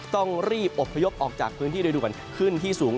ต้องรีบอบพยพออกจากพื้นที่โดยด่วนขึ้นที่สูง